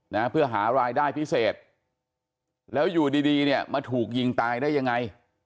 นะเพื่อหารายได้พิเศษแล้วอยู่ดีดีเนี่ยมาถูกยิงตายได้ยังไง